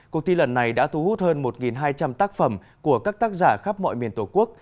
cuộc thi lần này đã thu hút hơn một hai trăm linh tác phẩm của các tác giả khắp mọi miền tổ quốc